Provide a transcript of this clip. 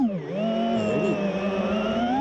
Hri.